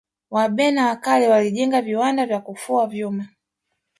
wabena wa kale walijenga viwanda vya kufua vyuma